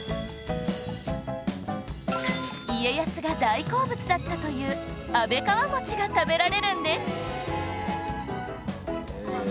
家康が大好物だったという安倍川餅が食べられるんです